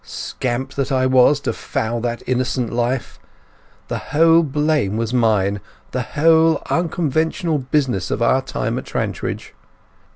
Scamp that I was to foul that innocent life! The whole blame was mine—the whole unconventional business of our time at Trantridge.